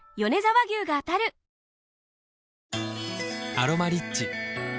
「アロマリッチ」